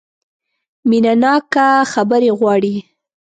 مینه ناکه خبرې غواړي .